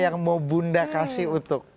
yang mau bunda kasih untuk